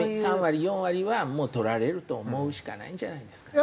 ３割４割は取られると思うしかないんじゃないですかね。